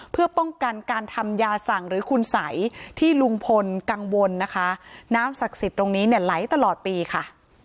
เพื่อป้องกันการทำยาสั่งหรือคุณสัยที่ลุงพลกังวลนะคะน้ำศักดิ์สิทธิ์ตรงนี้เนี่ยไหลตลอดปีค่ะ